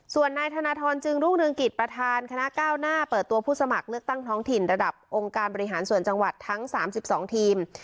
ส่วนนายธนทรจึงรุ่งเรืองกิจประธานคณะก้าวหน้าเปิดตัวผู้สมัครเลือกตั้งท้องถิ่นระดับองค์การบริหารส่วนจังหวัดทั้ง๓๒ทีม